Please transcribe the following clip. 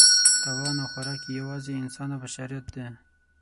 تاوان او خوراک یې یوازې انسان او بشریت دی.